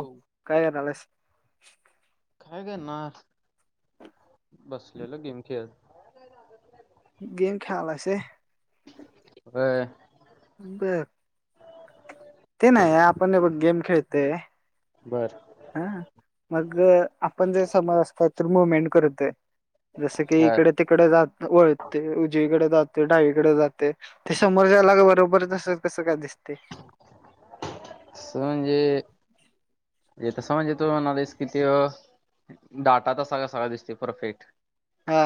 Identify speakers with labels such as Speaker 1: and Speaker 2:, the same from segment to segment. Speaker 1: हो काय करालास?
Speaker 2: काय करणार बसलेलो गेम खेळत.
Speaker 1: गेम खेळलाईस होय,
Speaker 2: बर,
Speaker 1: बर, ते नाही आपण हे बघ गेम खेळतोय-
Speaker 2: बरं-
Speaker 1: हा मग आपण जे समज असतो तर मुवमेंट करतोय. जस की
Speaker 2: हा
Speaker 1: इकडे तिकडे जात वळते उजवीकडे जात- डावीकडे जाते ते समोरच्याला बरोबर तसंच कस काय दिसते?
Speaker 2: कस म्हणजे? हे तसं म्हणजे तू म्हणालायस की त्यो डाटा तसा कसा दिसतो परफेक्ट?
Speaker 1: हा.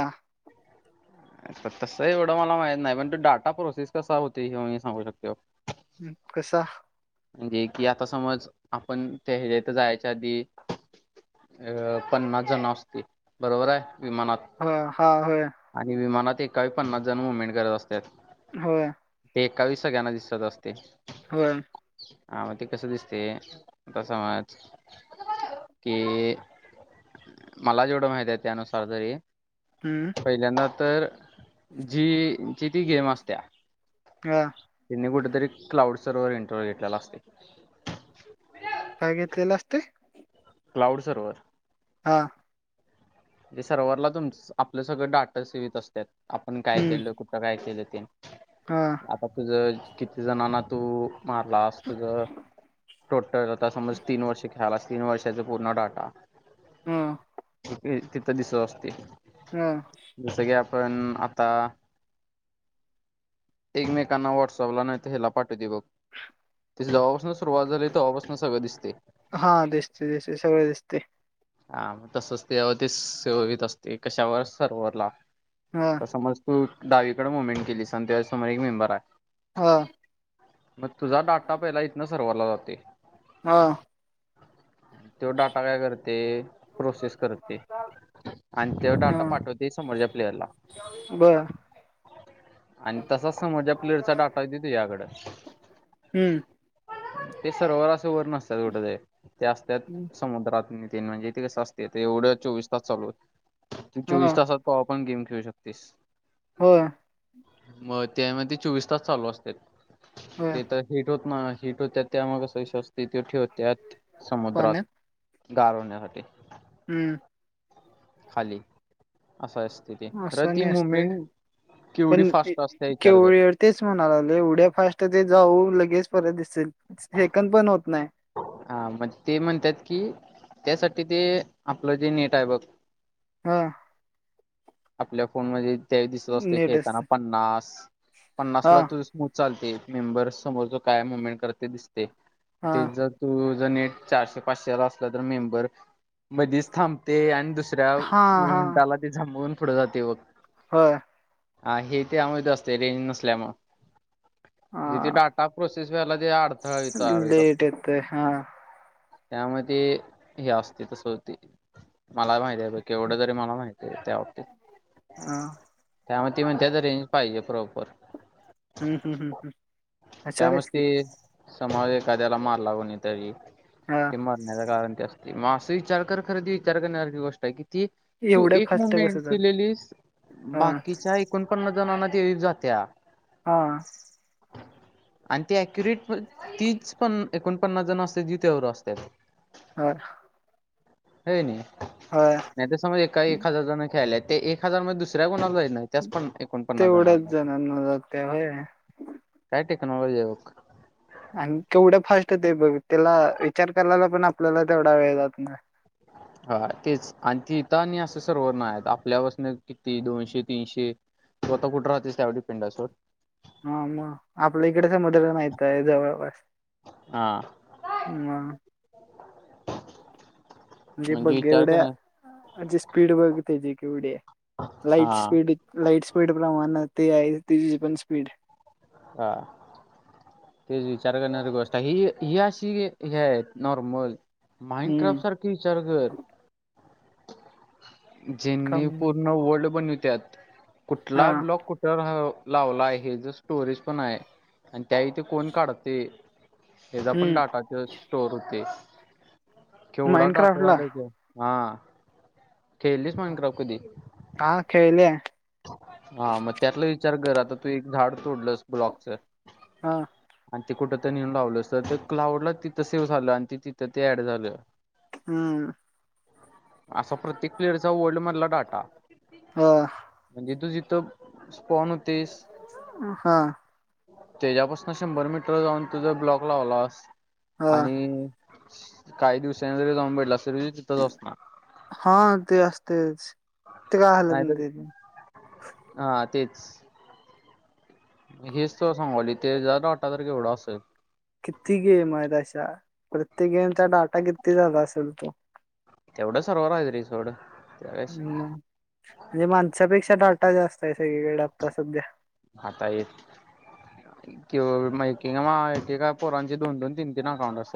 Speaker 2: तस एवढं मला माहित नाही पण तू डाटा प्रोसेस कसा होतोय हे -
Speaker 1: कसा
Speaker 2: म्हणजे की आता समज आपण- त्या ह्याच्या इथं जायच्या आधी अ पन्नास जणं असती बरोबर आहे? विमानात
Speaker 1: ह हा होय
Speaker 2: आणि विमानात एकावेळी पन्नास जणं मूव्हमेंट करत असत्यात-
Speaker 1: होय.
Speaker 2: एकावेळी सगळ्यांना दिसत असते-
Speaker 1: होय,
Speaker 2: हा मग ते कसं दिसतय आता समज की- मला जेवढं माहिती आहे त्यानुसार तरी-
Speaker 1: हम्म
Speaker 2: पहिल्यांदा तर जी जी ती गेम असत्या-
Speaker 1: हा,
Speaker 2: त्यांनी कुठेतरी क्लाउड सर्व्हर इंटरव्ह्यू घेतलेला असतोय,
Speaker 1: काय घेतलेलं असतय?
Speaker 2: Cloud server.
Speaker 1: हा,
Speaker 2: जे सर्वरला तुम आपलं सगळं डाट सेव होईत असत्यात आपण काय
Speaker 1: हम्म
Speaker 2: केलं कुठं काय केलं ते-
Speaker 1: हा
Speaker 2: आता तुझ किती जणांना तू मारलास तुझं- टोटल आता समज तीन वर्ष खेळालास तीन वर्षाचा पूर्ण डाटा-
Speaker 1: हम,
Speaker 2: तिथं दिसत असतोय.
Speaker 1: हम्म.
Speaker 2: पण आता- एकमेकांना व्हॉट्सअपला नाही तर ह्याला पाठवतय बघ-
Speaker 1: [unintelligible]
Speaker 2: ते जवापसन सुरुवात झाली तव्हापसन सगळं दिसतंय.
Speaker 1: हा दिसतय दिसतय सगळ दिसतय.
Speaker 2: हा मग तसच तेज्यावर ते सेवव्हित असतय कशावर सर्वरला.
Speaker 1: हा
Speaker 2: तर समज तू डावीकड मुवमेंट केलीस आणि तेज्या समोर एक मेंबर हाय.
Speaker 1: हां
Speaker 2: मग तुझा डाटा पहिला इथन सर्वरला जातोय.
Speaker 1: हां
Speaker 2: त्यो डाटा काय करते प्रोसेस कर ते आणि त्यो
Speaker 1: हा
Speaker 2: डाटा पाठवतय समोरच्या प्लेअरला.
Speaker 1: बर
Speaker 2: आणि तसाच समोरच्या प्लेयरचा डाटा येतोय तुझ्याकडं.
Speaker 1: हम्म.
Speaker 2: ते सर्व्हर अस वर नसत्यात कुट जाईत ते असत्यात समुद्रात मि मेन म्हणजे ते कसं असतय ते एवढं चोवीस तास चालू चोवीस
Speaker 1: हां.
Speaker 2: तासात कवा पण गेम खेळू शकतोयस.
Speaker 1: होय.
Speaker 2: मग त्या मध्ये चोवीस तास चालू असत्यात
Speaker 1: होय.
Speaker 2: ते तर हिट होत. हा हिट होत्या त्यामुळं कसं शक्यतो ठेवत्यात समुद्रात. गार होण्यासाठी.
Speaker 1: हम्म
Speaker 2: खाली असं असतय ते खरं
Speaker 1: असं
Speaker 2: ती
Speaker 1: नाही असते.
Speaker 2: मुमेंट.
Speaker 1: पण केवळ तेच म्हणा लागलोय एवढ्या फास्ट ते जाऊ लगेच परत दिसल. सेकंद पण होत नाही.
Speaker 2: हा म ते म्हणत्यात की त्यासाठी ते आपलं जे नेट आहे बघ.
Speaker 1: हां
Speaker 2: आपल्या फोन मधे त्यावेळी दिसत असतय
Speaker 1: नीट
Speaker 2: खेळताना
Speaker 1: असते.
Speaker 2: पन्नास. पन्नास ला
Speaker 1: हां,
Speaker 2: तुज स्मूथ चालतय मेंबर समोरच काय मुव्हमेंट करतय दिसतय. ते
Speaker 1: हां.
Speaker 2: जर तू ज नेट चारशे, पाचशे ला असलं तर मेंबर मधीच थांबतय आणि दुस दुसऱ्या
Speaker 1: हां,
Speaker 2: मी
Speaker 1: हां.
Speaker 2: मिनंटाला ते झापुन पुढे जाते बघ.
Speaker 1: होय.
Speaker 2: आहे त्यामुळं असतय रेज नसल्यामुळं. जिथे
Speaker 1: हां.
Speaker 2: डाटा प्रोसेस वजे अडथळे येतो.
Speaker 1: लेट येतंय हा.
Speaker 2: त्यामूळ ते हे असतय तसं होतय मला माहिती हाय केवढं तरी मला माहित. त्या बाबतीत.
Speaker 1: हां
Speaker 2: त्यामुळे ती म्हणत्यात रेंज पाहिजे प्रॉपर.
Speaker 1: हं, हं, हं, हं. हुशार
Speaker 2: त्यामुळेच
Speaker 1: आहेस की.
Speaker 2: ते समावे त्याला मारला कुणी तरी
Speaker 1: हां.
Speaker 2: ते मरण्याच कारण ते अस मग असं विचार कर खर ती विचार करण्याखी गोष्ट हाय की ती तू
Speaker 1: एवढ्या
Speaker 2: एक
Speaker 1: फास्ट कसं
Speaker 2: मुव्हंमेंट
Speaker 1: जाते?
Speaker 2: केलेलीस
Speaker 1: हां,
Speaker 2: बाकीच्या एकोणपन्ना जणांना [unintelligible] जात्या
Speaker 1: हां.
Speaker 2: आणि ती अक्युरेट तीच पं एकोण पन्नास जण असत्यात जी त्यावर असत्यात.
Speaker 1: हां
Speaker 2: हो नाही नाही तर समज एका एक हजार जण खेळाल्यात ते एक हजार मध्ये दुसऱ्या कोणाला जाई नाही त्यास पण एकोण पन्नास जणा
Speaker 1: तेवढ्याच जणांना जाते होय.
Speaker 2: काय ते. [unintelligible]
Speaker 1: आणि केवढ फास्ट ते बघ त्येला विचार करायला पण आपल्याला तेवढा वेळ जात ना
Speaker 2: हा तेच आणि तिथ आणि असं सर्वर नाही हायत आपल्यापसन किती दोनशे, तीनशे तु आता कुठ राहतोस त्यावर डिपेंड आहे सोड.
Speaker 1: हा म आपल्या इकडे समुद्र नाहीच आहे जवळपास.
Speaker 2: हा
Speaker 1: म. म्हणजे बघ
Speaker 2: विचार
Speaker 1: एवढ्या
Speaker 2: करण्या
Speaker 1: म्हणजे स्पीड बघ त्याची केवढी आहे.
Speaker 2: हा
Speaker 1: लाईट स्पीड लाईट स्पीड प्रमाण ते आहे तिची पण स्पीड.
Speaker 2: हा. तेच विचार करणारी गोष्ट आहे ही ही अशी हे आहेत नॉर्मल. माइंड
Speaker 1: हम्म
Speaker 2: क्राफ्ट सारखे विचार कर. ज्यांनी
Speaker 1: कम
Speaker 2: पूर्ण वर्ल्ड बनवत्यात.
Speaker 1: हा
Speaker 2: कुठला ब्लॉक कुठ लावला हेज टुरिस्ट पण आहे आणि त्या वेळी कोण काढतय हेचा पण
Speaker 1: हम्म
Speaker 2: डाटा चस स्टोर होतोय, केवढा डाटा
Speaker 1: माइनक्राफ्टला
Speaker 2: झालाय त्यात. हा, खेळलीस माइंड क्राफ्ट कधी?
Speaker 1: हा खेळल्या.
Speaker 2: हा म त्यातला विचार कर आता तू एक झाड तोडलंस ब्लॉकच.
Speaker 1: हा.
Speaker 2: आणि ते कुठं तर नेऊन लावलंस तर ते क्लाउडला तिथं सेव्ह झालं आणि तिथं ते ऍड झालं.
Speaker 1: हा.
Speaker 2: असा प्रत्येक प्लेअरचा वर्ल्डमधला डाटा
Speaker 1: हा
Speaker 2: जिथे जिथे स्पोन
Speaker 1: हा.
Speaker 2: त्याच्यापासून शंभर मीटर जाऊन तुझ ब्लॉक लावलास
Speaker 1: हा
Speaker 2: आणि काही दिवसाांनी जरी जाऊन बघितलास तरी तिथंच असनार.
Speaker 1: हा ते असतेच ते काय हालत [unintelligible]
Speaker 2: हा तेच. हेच तुला सांगायलोय त्याचा डाटा तर केवढा असलं?
Speaker 1: किती गेम आहेत अशा प्रत्येक गेमचा डाटा किती झाला असेल तो.
Speaker 2: तेवढं सर्वर आहेत रे सोड. काय विषय नाही.
Speaker 1: मअ, म्हणजे माणसापेक्षा डाटा जास्त आहे सगळीकडे आता सध्या.
Speaker 2: आता येत किंवा [unintelligible] एके एके का पोरांचे दोन दोन, तीन तीन अकाउंट अस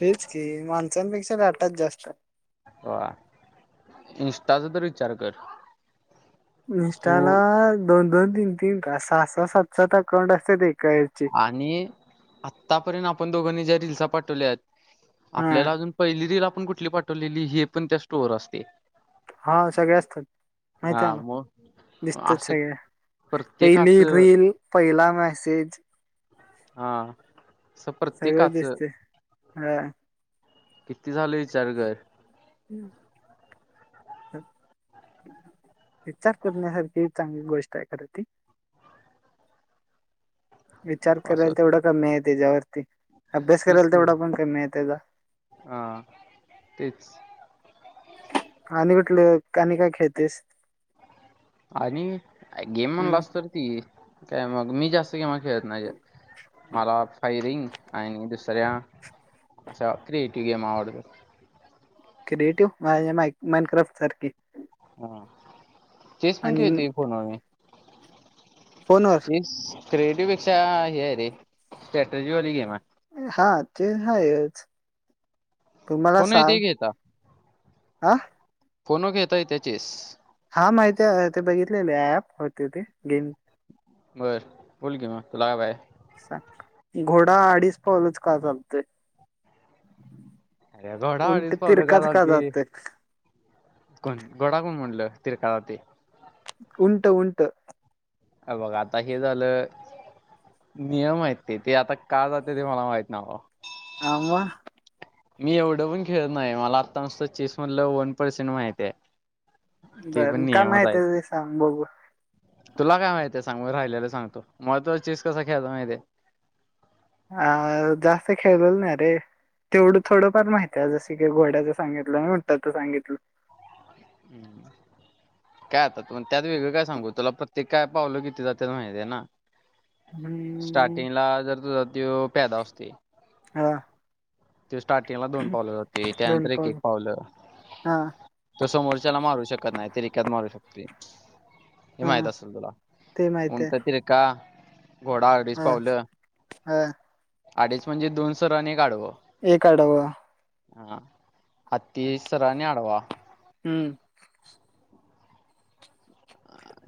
Speaker 1: तेच की माणसांपेक्षा डाटाच जास्त हाय.
Speaker 2: वा इन्स्टा च तर विचार कर?
Speaker 1: इंस्टाला
Speaker 2: तू
Speaker 1: दोन दोन, तीन तीन काय सहा - सात सात अकाउंट असत्यात एक.
Speaker 2: आणि आतापर्यंत आपण दोघांनी ज्या रिल्स पाठवल्यात.
Speaker 1: हा
Speaker 2: आपल्याला अजून पहिली रिल आपण कुठली पाठवलेली हे पण त्यात स्टोअर असतय.
Speaker 1: हा सगळे असतात, माहती आहे
Speaker 2: हा
Speaker 1: मला.
Speaker 2: मग
Speaker 1: दिसत
Speaker 2: असं
Speaker 1: सगळ्या, पहिली
Speaker 2: प्रत्येकाचं
Speaker 1: रीली पहिला मेसेज.
Speaker 2: हा अस
Speaker 1: सगळं
Speaker 2: प्रत्येकाचं
Speaker 1: दिसते हा
Speaker 2: किती झालं विचार कर?
Speaker 1: हम्. विचार करण्यासारखी चांगली गोष्ट आहे खरं ती. विचार करायल
Speaker 2: असं
Speaker 1: तेवढा कमी आहे त्याच्यावरती अभ्यास
Speaker 2: तेच
Speaker 1: कराल
Speaker 2: की
Speaker 1: तेवढा पण कमी आहे त्याचा.
Speaker 2: हा, तेच.
Speaker 1: आणि कुठलं का आणि काय खेळतोयस?
Speaker 2: आणि गेम
Speaker 1: हम्म
Speaker 2: म्हणलास तर ती काय मग मी जास्त गेमा खेळत नाहीय, मला फायरिंग आणि दुसऱ्या अशा क्रिएटिव गेम आवडतात.
Speaker 1: क्रिएटिव्ह माझ्या मा मांइड क्राफ्ट सारखी.
Speaker 2: हा चेस पण
Speaker 1: आणि
Speaker 2: खेळतोय की फोनवर मी.
Speaker 1: फोनवर
Speaker 2: क्रिएटिव पेक्षा हे रे स्ट्रॅटजीवाली गेम हाय..
Speaker 1: हा ते हायच.
Speaker 2: फोन येतोय की हेचा.
Speaker 1: आ
Speaker 2: फोनवर घेता येतय की
Speaker 1: हां माहिती आहे ते बघितलेले ॲप होत ते गेम
Speaker 2: बर बोल की मग तुला का [unintelligible]
Speaker 1: साग घोडा आडीज पावलच का चालतोय?
Speaker 2: अरे घोडा
Speaker 1: उंट
Speaker 2: अडीच पावलं
Speaker 1: तिरकाच का
Speaker 2: चालते
Speaker 1: जातोय?
Speaker 2: कोण घोडा कोण म्हणलं तिरका जातय
Speaker 1: उंट, उंट
Speaker 2: अ बघ आता हे झालं नियम आहेत ते ते आता का जात्यात हे मला माहित नाही बाबा
Speaker 1: हा मग
Speaker 2: मी एवढं पण खेळत नाही मला आता नूसतं चेस मधलं वन पर्सेंट माहीती हाय.
Speaker 1: बरं मग काय माहीती आहे ते सांग बघू
Speaker 2: तुला काय माहिती हाय सांग ब राहिलेल सांगतो म तुला चेस कसा खेळयचा माहिती हाय
Speaker 1: अ जास्त खेळलेलो नाही आहे रे तेवढं थोडंफार माहित आहे जस की घोड्याचं सांगितलं नी उंटाच सांगितलं.
Speaker 2: हम्म काय आता त्यात वेगळं काय सांगू तुला प्रत्येक काय पावलं किती जात्यात माहिती आहे ना?
Speaker 1: हम्म
Speaker 2: स्टार्टिंगला जर तुझ त्यो प्यादा असतोय.
Speaker 1: हा
Speaker 2: तो स्टार्टिंगला दोन पावलं जातोय
Speaker 1: दोन
Speaker 2: त्यानंतर एक एक
Speaker 1: पाऊल
Speaker 2: पावलं.
Speaker 1: हा
Speaker 2: तस मोर्चाला मारू शकत नाहीत. तिरिक्यात मारू शकतोय हे
Speaker 1: हा
Speaker 2: माहित असल तुला
Speaker 1: ते माहित आहे
Speaker 2: उंट तिरका घोडा आडीच
Speaker 1: ह
Speaker 2: पावलं
Speaker 1: ह
Speaker 2: आडीच म्हणजे दोन सरळ आणि एक आढव
Speaker 1: एक आडव
Speaker 2: हा हाती सरळ आणि आडवा
Speaker 1: हम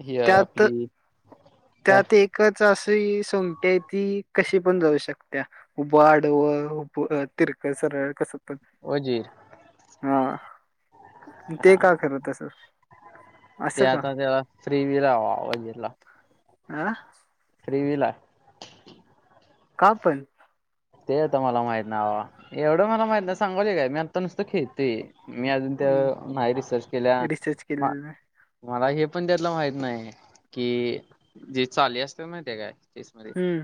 Speaker 2: ही
Speaker 1: त्यात
Speaker 2: आपली काय
Speaker 1: त्यात एकच अस सोगटी हाय ती कशी पण जाऊ शकत्या उभ आडवं, उभं, तिरक, सरळ सरळ कस
Speaker 2: वजीर
Speaker 1: मग
Speaker 2: हा
Speaker 1: ते का खरं तसं?
Speaker 2: ते आता त्या फ्री [unintelligible]
Speaker 1: आं
Speaker 2: त्रिविला
Speaker 1: का पण?
Speaker 2: ते आता मला माहित नाय बाबा एवढं मला माहित नाही सागालोय काय मी आता नुस त खेळतोय मी आजून त्या
Speaker 1: हम्म
Speaker 2: नाही रिसर्च केल्या
Speaker 1: रिसर्च
Speaker 2: मा
Speaker 1: केलेलं नाही
Speaker 2: मला हे पण त्यातलं माहित नाही कि जे चाली असतय माहिती हाय काय? चेस मध्ये
Speaker 1: हम्म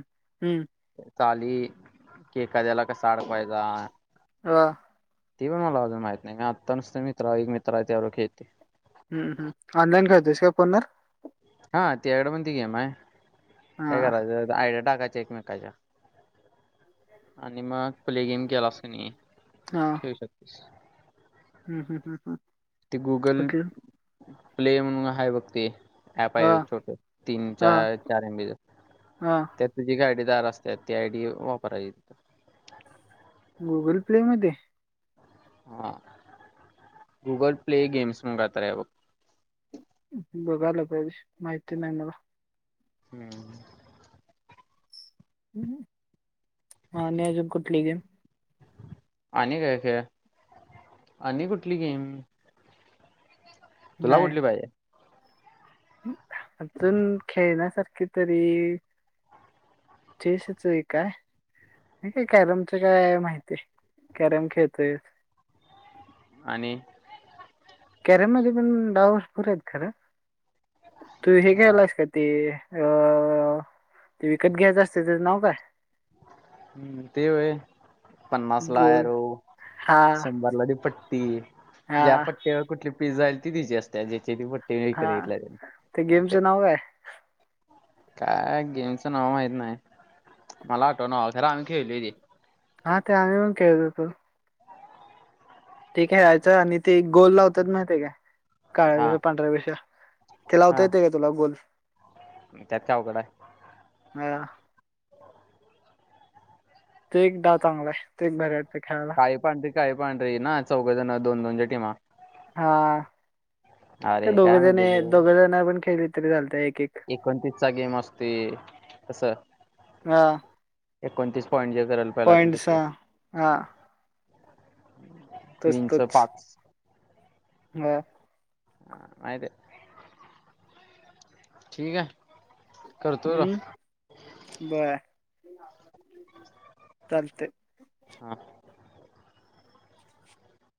Speaker 1: हम्म
Speaker 2: चाली की एखाद्याला कस आडकवायचा?
Speaker 1: अ
Speaker 2: ते पण मला अजून माहित नाही मी आता नूसत मित्र एक मित्र आहे त्यावर खळतोय.
Speaker 1: हम्म, हम्म ऑनलाईन करतोस काय फोनवर
Speaker 2: हा त्याकडं पण ती गेम हाय
Speaker 1: हा
Speaker 2: काय करायच आता आडिया टाकाय एकमेकाच्या आणि मग प्ले गेम केलास कणी खेळू शकतोस.
Speaker 1: हम्, हम, हम्, हम्
Speaker 2: ते गूगल प्ले म्हणून हाय वक्ते.
Speaker 1: हा
Speaker 2: पाय छोट तीन च
Speaker 1: हा
Speaker 2: चार एबी
Speaker 1: हा
Speaker 2: त्या तुझी गाडी. चार असत ते आयडी वापरायची.
Speaker 1: गुगल प्ले मध्ये
Speaker 2: हा गुगल प्ले गेम्स म गात र बघ.
Speaker 1: बघायला पाहिजे माहिती नाही मला
Speaker 2: हम्म.
Speaker 1: हा न अजून कुठली गेम.
Speaker 2: आणि काय ख आणि कुठली गेम? तुला उठली
Speaker 1: नाही
Speaker 2: पाहिजे.
Speaker 1: अजून खेळण्यासारखी तरी चेस च काय. काय कॅरमच काय माहितीय कॅरम खेळतोय.
Speaker 2: आणि आणि
Speaker 1: कॅरेम मध्ये पण डावस पुर आहेत खरं तू हे
Speaker 2: हा
Speaker 1: घ्यायलास का ते अ ते विकत घ्यायचं असते त्याचं नाव काय?
Speaker 2: हम्म ते होय पन्नास ला
Speaker 1: बोल
Speaker 2: यरो
Speaker 1: हा
Speaker 2: शंबरला दि प त
Speaker 1: हा
Speaker 2: ज्या पट्ट्यावर कुठली पिझ्जाईल ती तिची असते ज्याची ती प. ते
Speaker 1: हा
Speaker 2: कर ते
Speaker 1: गेमचं नाव काय
Speaker 2: काय गेमचं नाव माहित नाही मला आठवण खर आम्ही खेळलू तेे
Speaker 1: हा ते आम पण केतो तो. ठीक आहे यायचं आणि ते गोल लावतात माहिित काय? का
Speaker 2: हा
Speaker 1: वष पंढरा वष ते लावता
Speaker 2: हा
Speaker 1: येते का तुला गोल्फ
Speaker 2: त्यात का अवघड आहे.
Speaker 1: ह. ते एक डा चांगला आहे ते एक भऱ
Speaker 2: काय पांढरी काय पांढ ररी ना चौघजण दोन दोनच्या टीमा.
Speaker 1: हा का
Speaker 2: अरे काय
Speaker 1: दोघे
Speaker 2: म्हणते
Speaker 1: जण दोघ जण पण खेळ इतरी चालतय.
Speaker 2: एकोणतीस चा गेम असते कस
Speaker 1: हा
Speaker 2: एकोणतीस पॉईंट जे करायला पहिला तो
Speaker 1: पॉइंट्स
Speaker 2: जिकल.
Speaker 1: हा हा तोच
Speaker 2: क्वीनच
Speaker 1: तोच
Speaker 2: पाच
Speaker 1: हा.
Speaker 2: ह माय ते. ठीक आहे. करतो तुला
Speaker 1: हम्म बर चालत.
Speaker 2: हा